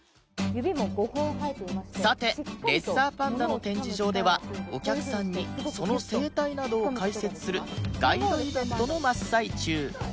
さてレッサーパンダの展示場ではお客さんにその生態などを解説するガイドイベントの真っ最中